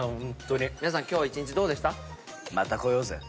皆さん今日は一日どうでした？